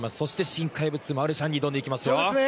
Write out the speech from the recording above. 新怪物のマルシャンに挑んでいきますよ。